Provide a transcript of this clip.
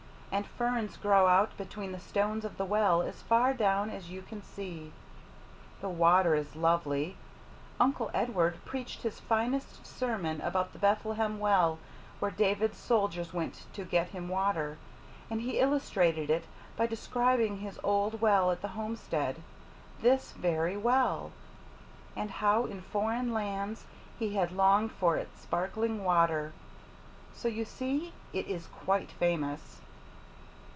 And ferns grow out between the stones of the well as far down as you can see. The water is lovely. Uncle Edward preached his finest sermon about the Bethlehem well where David's soldiers went to get him water, and he illustrated it by describing his old well at the homestead this very well and how in foreign lands he had longed for its sparkling water. So you see it is quite famous."